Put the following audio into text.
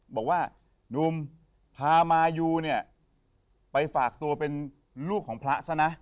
บอกว่านุ่มพามายูเนี่ยไปฝากตัวเป็นลูกของพระซะนะ